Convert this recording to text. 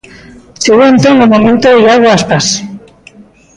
Chegou entón o momento Iago Aspas.